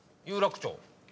「有楽町」